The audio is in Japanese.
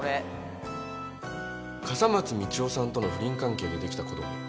笠松道夫さんとの不倫関係で出来た子供。